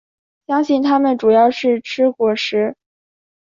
相信它们主要是吃果实。